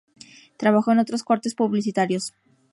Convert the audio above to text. Trabajó en otros cortes publicitarios.